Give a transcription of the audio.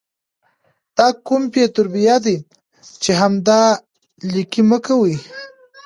دا کوم بې تربیه ده چې همدا 💩 لیکي مه کوي